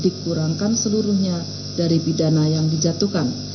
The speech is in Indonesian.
dikurangkan seluruhnya dari pidana yang dijatuhkan